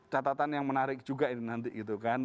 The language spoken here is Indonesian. catatan yang menarik juga ini nanti gitu kan